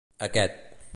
Aquest